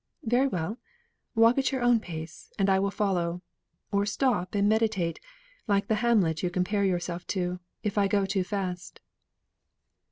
"Very well. Walk at your own pace, and I will follow. Or stop still and meditate, like the Hamlet you compare yourself to, if I go too fast."